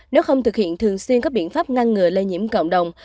nếu không thực hiện thường xuyên các biện pháp ngăn ngừa lây nhiễm cộng đồng